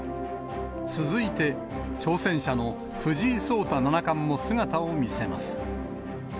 続いて、挑戦者の藤井聡太七冠も姿を見せます。